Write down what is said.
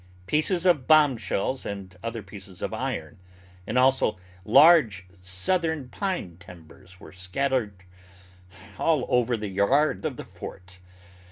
Pieces of bombshells and other pieces of iron, and also large southern pine timbers were scattered all over the yard of the fort.